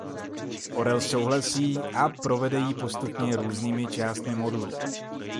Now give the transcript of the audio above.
Orel souhlasí a provede jí postupně různými částmi modulu.